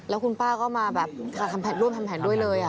แล้วคุณป้าก็มาแบบร่วมทำแผนด้วยเลย